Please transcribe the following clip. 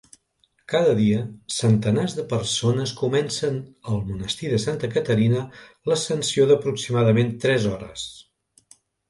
Cada dia, centenars de persones comencen al monestir de Santa Caterina l'ascensió d'aproximadament tres hores.